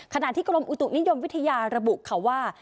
ขณะที่กรมอุตุนิยมวิทยาระบุค่ะว่า